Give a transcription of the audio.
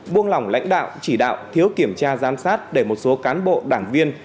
buông lỏng lãnh đạo chỉ đạo thiếu kiểm tra giám sát để một số cán bộ đảng viên